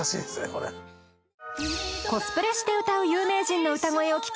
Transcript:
これコスプレして歌う有名人の歌声を聴き